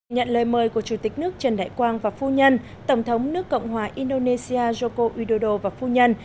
nhận lời mời của chủ tịch nước trần đại quang và phu nhân tổng thống nước cộng hòa indonesia joko widodo và phu nhân